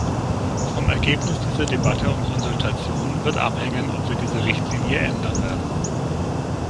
Vom Ergebnis dieser Debatte und Konsultation wird abhängen, ob wir diese Richtlinie ändern werden.